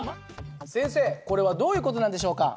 先生これはどういう事なんでしょうか？